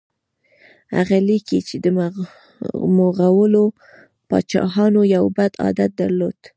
هغه لیکي چې د مغولو پاچاهانو یو بد عادت درلود.